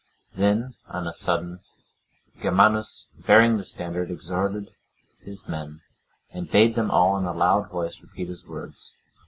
Then, on a sudden, Germanus, bearing the standard, exhorted his men, and bade them all in a loud voice repeat his words.